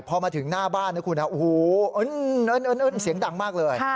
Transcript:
พอมาถึงหน้าบ้านนะคุณโอ้โหนเสียงดังมากเลย